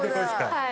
はい。